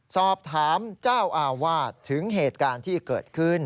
สอบถามเจ้าอาวาสถึงเหตุการณ์ที่เกิดขึ้น